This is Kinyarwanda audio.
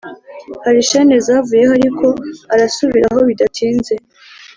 hari shene zavuyeho ariko arasubiraho bidatinze